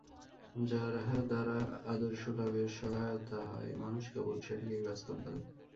যাহা দ্বারা আদর্শলাভের সহায়তা হয়, মানুষ কেবল সেটিকেই বাস্তব বলে।